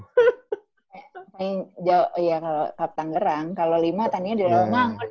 kalau lima tannya di rumah